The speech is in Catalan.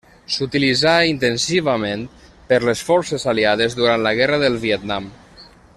S'utilitzà intensivament per les Forces Aliades durant la Guerra del Vietnam.